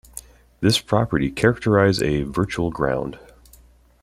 This property characterize a "virtual ground".